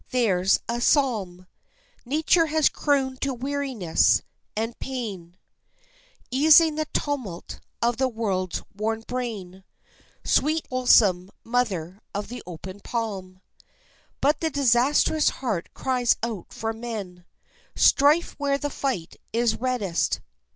There's a psalm Nature has crooned to weariness and pain, Easing the tumult of the world worn brain, Sweet, wholesome mother of the open palm. But the disastrous heart cries out for men, Strife where the fight is reddest.